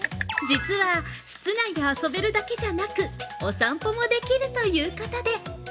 ◆実は室内で遊べるだけじゃなくお散歩もできるということで。